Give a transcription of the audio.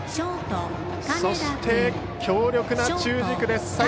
そして、強力な中軸です。